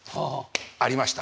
ありました。